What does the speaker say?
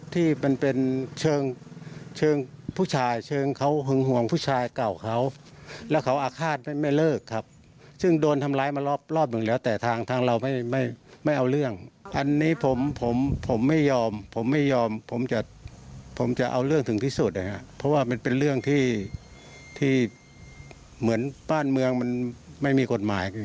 ที่เหมือนบ้านเมืองมันไม่มีกฎหมาย